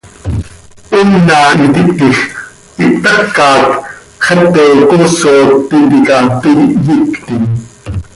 Hoona iti hptiij, ihptacat, Xepe Coosot tintica toii hyictim.